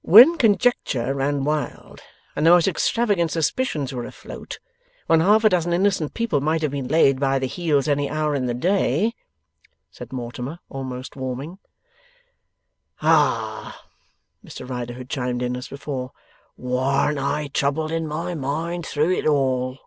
'When conjecture ran wild, when the most extravagant suspicions were afloat, when half a dozen innocent people might have been laid by the heels any hour in the day!' said Mortimer, almost warming. 'Hah!' Mr Riderhood chimed in, as before. 'Warn't I troubled in my mind through it all!